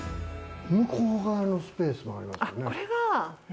向こう側のスペースもありま